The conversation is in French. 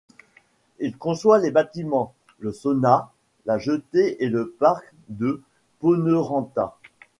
Il conçoit les bâtiments, le sauna, la jetée et le parc de Ponneranta.